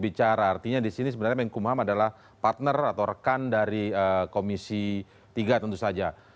bicara artinya disini sebenarnya menkumham adalah partner atau rekan dari komisi tiga tentu saja